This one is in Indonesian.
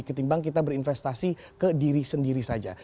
ketimbang kita berinvestasi ke diri sendiri saja